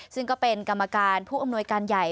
ซึ่งก็เป็นกรรมการผู้อำนวยการใหญ่